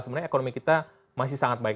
sebenarnya ekonomi kita masih sangat baik